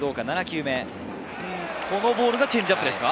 このボールがチェンジアップですか？